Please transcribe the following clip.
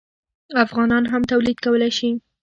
افغانان هم تولید کولی شي.